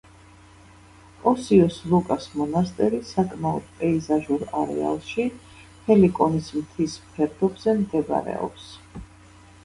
ოსიოს ლუკას მონასტერი საკმაოდ პეიზაჟურ არეალში, ჰელიკონის მთის ფერდობზე მდებარეობს.